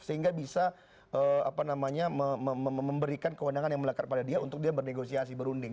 sehingga bisa memberikan kewenangan yang melekat pada dia untuk dia bernegosiasi berunding